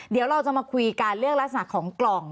เดี๋ยวเราจะมาคุยกันเรื่องลักษณะของกล่อง